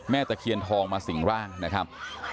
ตะเคียนทองมาสิ่งร่างนะครับ